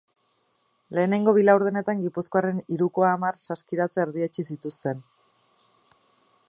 Lehenengo bi laurdenetan gipuzkoarren hiruko hamar saskiratze erdietsi zituzten.